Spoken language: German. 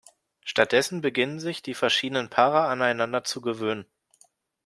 Stattdessen beginnen sich die verschiedenen Paare aneinander zu gewöhnen.